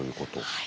はい。